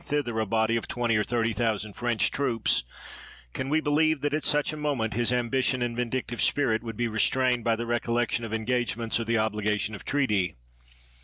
21 THE WORLD'S FAMOUS ORATIONS thither a body of twenty or thirty thousand French troops; can we believe that at such a moment his ambition and vindictive spirit would be restrained by the recollection of engagements or the obligation of treaty